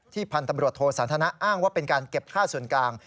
ที่พันธุ์โทสันธนะอ้างว่าเป็นการเก็บค่าส่วนกลาง